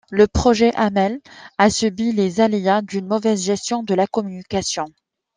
Le projet Amel a subi les aléas d’une mauvaise gestion de la communication.